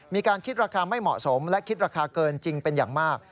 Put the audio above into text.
มีการคิดราคาไม่เหมาะสมและคิดราคาเกินจริงเป็นอย่างมาก